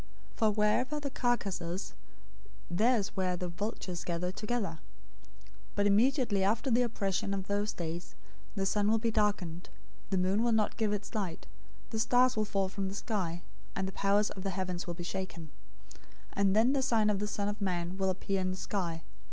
024:028 For wherever the carcass is, there is where the vultures{or, eagles} gather together. 024:029 But immediately after the oppression of those days, the sun will be darkened, the moon will not give its light, the stars will fall from the sky, and the powers of the heavens will be shaken;{Isaiah 13:10; 34:4} 024:030 and then the sign of the Son of Man will appear in the sky.